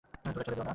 ধূরে ঠেলে দিওনা!